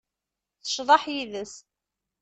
Tecḍeḥ yid-s.